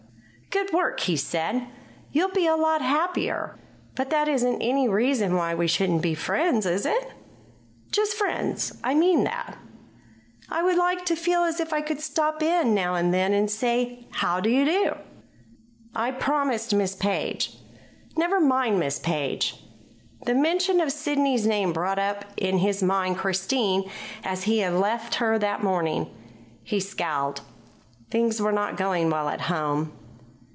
"Good work!" he said. "You'll be a lot happier. But that isn't any reason why we shouldn't be friends, is it? Just friends; I mean that. I would like to feel that I can stop in now and then and say how do you do." "I promised Miss Page." "Never mind Miss Page." The mention of Sidney's name brought up in his mind Christine as he had left her that morning. He scowled. Things were not going well at home.